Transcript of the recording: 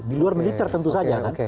di luar militer tentu saja kan